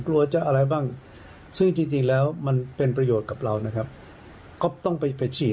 กลัวจะอะไรบ้างซึ่งจริงแล้วมันเป็นประโยชน์กับเรานะครับก็ต้องไปไปฉีด